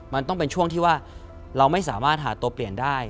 มันต้องเป็นช่วงที่ว่าเราไม่สามารถหาตัวเปลี่ยนได้